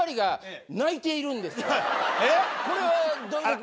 これはどういうこと。